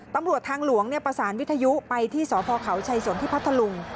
ตำรวจทางหลวงประสานวิทยุไปที่สพเขาชัยสนที่พัทธลุง